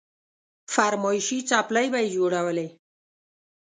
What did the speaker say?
فرمايشي څپلۍ به يې جوړولې.